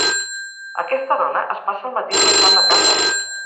Aquesta dona es passa el matí endreçant la casa!